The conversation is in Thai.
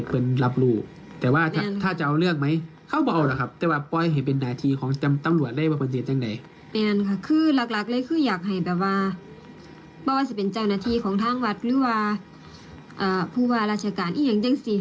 พูดมารัชกาลอีกหนึ่งเห็นจริงสิ